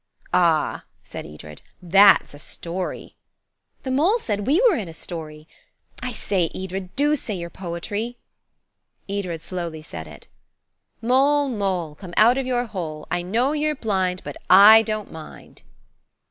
"Ah," said Edred, "that's a story." "The mole said we were in a story. I say, Edred, do say your poetry." Edred slowly said it–. "'Mole, mole, Come out of your hole; I know you're blind, But I don't mind.'"